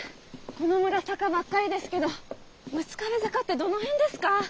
この村坂ばっかりですけど「六壁坂」ってどの辺ですか？